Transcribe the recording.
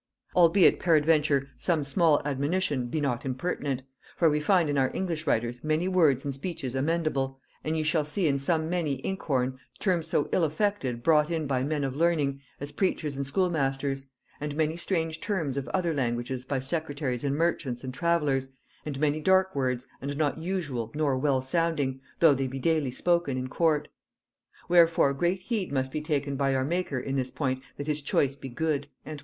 Albeit peradventure some small admonition be not impertinent, for we find in our English writers many words and speeches amendable, and ye shall see in some many inkhorn terms so ill affected brought in by men of learning, as preachers and schoolmasters; and many strange terms of other languages by secretaries and merchants and travellers, and many dark words and not usual nor well sounding, though they be daily spoken in court. Wherefore great heed must be taken by our maker in this point that his choice be good."